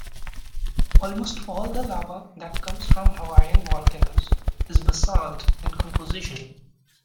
Almost all lava that comes from Hawaiian volcanoes is basalt in composition.